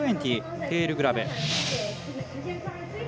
テールグラブ。